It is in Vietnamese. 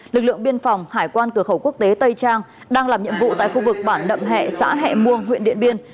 lực lượng biên phòng hải quan cửa khẩu quốc tế tây trang đang làm nhiệm vụ tại khu vực bản nậm hẹ xã hẹ muông huyện điện biên